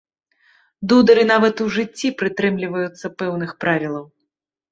Дудары нават у жыцці прытрымліваюцца пэўных правілаў.